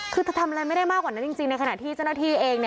คือเธอทำอะไรไม่ได้มากกว่านั้นจริงในขณะที่เจ้าหน้าที่เอง